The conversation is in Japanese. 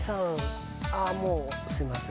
「ああもうすみません」